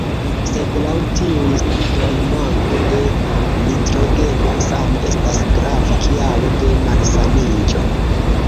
Sed laŭ tiuj studoj, manko de nitrogeno same estas grava kialo de malsaniĝo.